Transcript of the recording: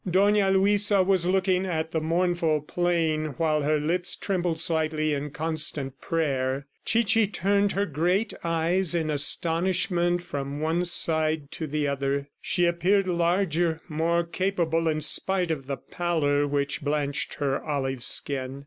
Dona Luisa was looking at the mournful plain while her lips trembled slightly in constant prayer. Chichi turned her great eyes in astonishment from one side to the other. She appeared larger, more capable in spite of the pallor which blanched her olive skin.